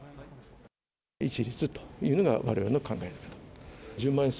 一律というのが、われわれの考えです。